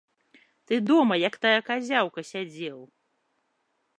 Ты дома, як тая казяўка, сядзеў.